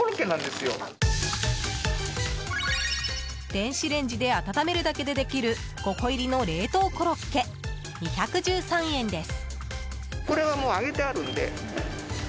電子レンジで温めるだけでできる５個入りの冷凍コロッケ２１３円です。